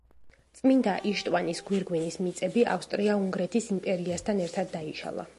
წმინდა იშტვანის გვირგვინის მიწები ავსტრია-უნგრეთის იმპერიასთან ერთად დაიშალა.